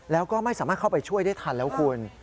แล้วก็ไม่สามารถเข้าไปช่วยได้ทันแล้วคุณ